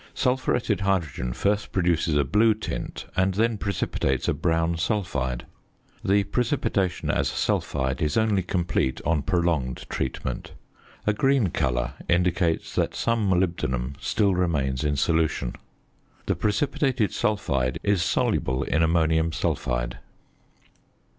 Sulphuretted hydrogen first produces a blue tint, and then precipitates a brown sulphide. The precipitation as sulphide is only complete on prolonged treatment; a green colour indicates that some molybdenum still remains in solution. The precipitated sulphide is soluble in ammonium sulphide.